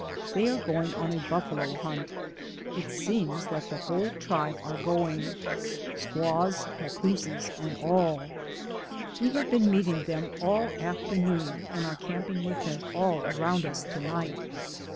They are going on a buffalo hunt. It seems that the whole tribe are go ing, squaws, pappooses and all. We have been meeting them all afternoon and are camping with them all around us to night.